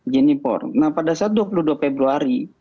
jenipor nah pada saat dua puluh dua februari